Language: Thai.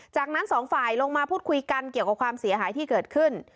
จากนั้นสองฝ่ายลงมาพูดคุยกันเกี่ยวกับความเสียหายที่เกิดขึ้น